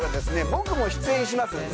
僕も出演します